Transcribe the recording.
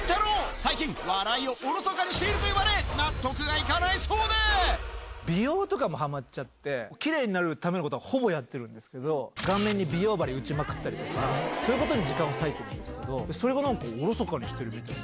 最近、笑いをおろそかにしている美容とかもはまっちゃって、きれいになるためのことはほぼやってるんですけど、顔面に美容張り打ちまくったりとか、そういうことに時間を割いてるんですけど、それがなんか、おろそかにしてるみたいに。